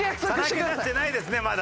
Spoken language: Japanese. さらけ出してないですねまだ。